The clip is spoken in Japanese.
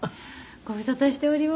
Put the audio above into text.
ご無沙汰しております。